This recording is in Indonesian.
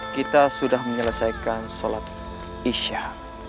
kita sudah menyelesaikan sholat isya